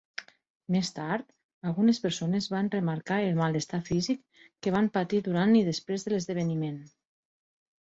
Més tard, algunes persones van remarcar el malestar físic que van patir durant i després de l'esdeveniment.